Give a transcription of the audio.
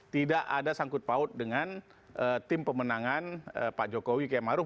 tidak ada sangkut paut dengan tim pemenangan pak jokowi k maruf